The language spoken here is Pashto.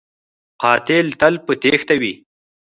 قاتل تل په تیښته وي